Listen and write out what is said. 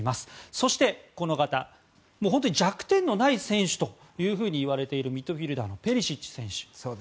そして、弱点のない選手というふうに言われているミッドフィールダーのペリシッチ選手。